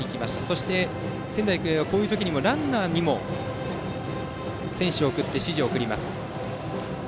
そして、仙台育英はこういう時にはランナーにも選手を送って指示を送ります。